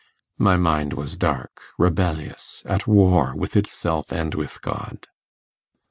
My mind was dark, rebellious, at war with itself and with God.